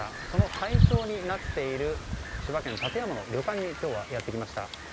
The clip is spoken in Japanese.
その対象になっている千葉県館山の旅館に今日はやってきました。